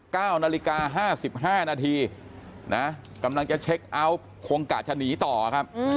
เก้านาฬิกาห้าสิบห้านาทีนะกำลังจะเช็คเอาท์คงกะจะหนีต่อครับ